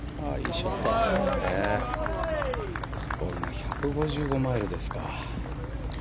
１５５マイルですか。